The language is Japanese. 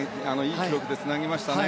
いい記録でつなぎましたね。